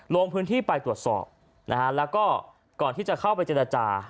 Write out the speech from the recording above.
ลงพื้นที่ไปตรวจสอบนะฮะแล้วก็ก่อนที่จะเข้าไปเจรจา